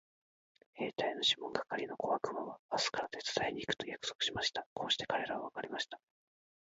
兵隊のシモン係の小悪魔は明日から手伝いに行くと約束しました。こうして彼等は別れました。